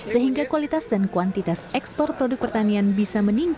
sehingga kualitas dan kuantitas ekspor produk pertaniannya akan menjadi kepentingan